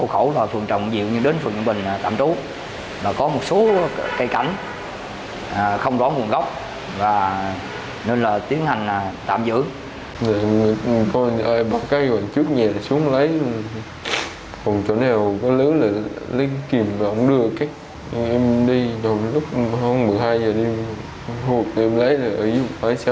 không rõ nguồn gốc và nên là tiến hành tạm giữ